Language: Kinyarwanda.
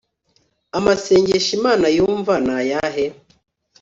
Amasengesho Imana yumva nayahe